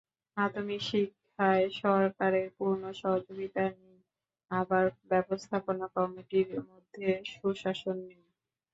মাধ্যমিক শিক্ষায় সরকারের পূর্ণ সহযোগিতা নেই, আবার ব্যবস্থাপনা কমিটির মধ্যে সুশাসন নেই।